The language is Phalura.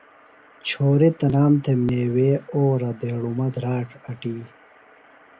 چھوری تنام تھےۡ میوے، اورہ ، دھیڑُم ، دھراڇ اٹی